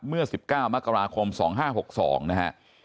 เมื่อ๑๙มกราคม๒๕๖๒นะฮะ